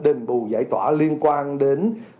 đền bù giải tỏa liên quan đến